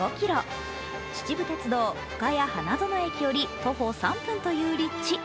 秩父鉄道・ふかや花園駅より徒歩３分という立地。